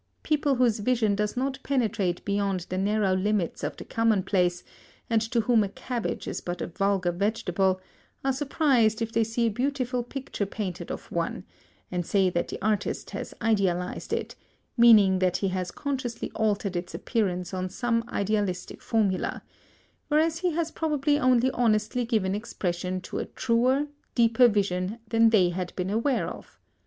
People whose vision does not penetrate beyond the narrow limits of the commonplace, and to whom a cabbage is but a vulgar vegetable, are surprised if they see a beautiful picture painted of one, and say that the artist has idealised it, meaning that he has consciously altered its appearance on some idealistic formula; whereas he has probably only honestly given expression to a truer, deeper vision than they had been aware of.